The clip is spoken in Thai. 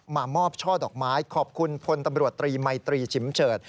มามอบช่อดอกไม้ขอบคุณพลตำรวจตรีมัยตรีฉิมเฉิด